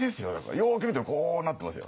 よく見たらこうなってますよ。